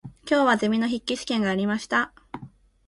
今日はゼミの筆記試験がありました。